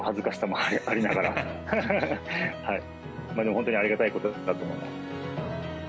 本当にありがたいことだと思います。